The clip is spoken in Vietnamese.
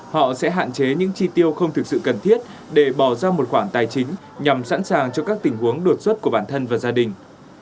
họ sẽ hạn chế những chi tiêu không thực sự cần thiết để bỏ ra một khoản tài chính nhằm sẵn sàng cho các tình huống đột xuất của bản thân và gia đình